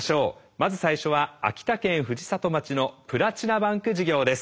まず最初は秋田県藤里町の「プラチナバンク事業」です。